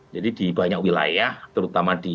jadi di banyak wilayah terutama di